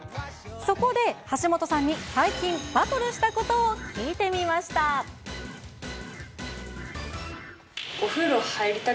そこで、橋本さんに最近、バトルしたことを聞いてみました。